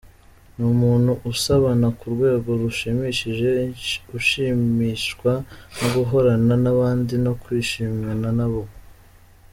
Ni umuntu usabana ku rwego rushimishije, ushimishwa no guhorana n’abandi no kwishimana nabo.